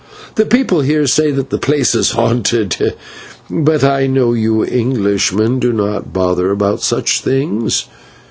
The people here say that the place is haunted, but I know you Englishmen do not bother about such things.